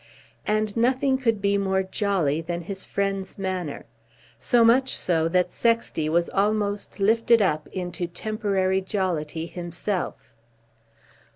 And nothing could be more "jolly" than his friend's manner, so much so that Sexty was almost lifted up into temporary jollity himself.